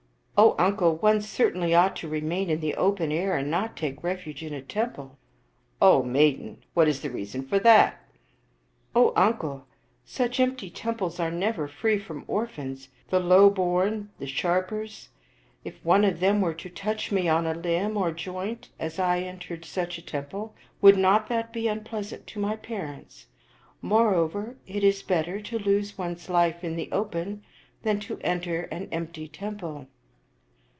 " O uncle, one certainly ought to remain in the open air and not take refuge in a temple." "O maiden, what is the reason for that?" "O uncle, such empty temples are never free from or phans, the low born, and sharpers. If one of them were to touch me on a limb or joint as I entered such a tem ple, would not that be unpleasant to my parents? More over, it is better to lose one's life in the open than to enter an empty temple."